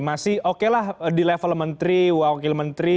masih okelah di level menteri wakil menteri